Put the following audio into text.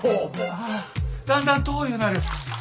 ああだんだん遠ぃうなる。